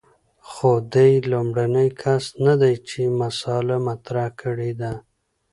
خو دی لومړنی کس نه دی چې مسأله مطرح کړې ده.